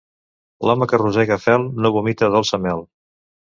L'home que rosega fel no vomita dolça mel.